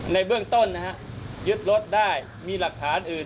ในเบื้องต้นนะฮะยึดรถได้มีหลักฐานอื่น